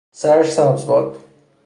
سرش سبز باد!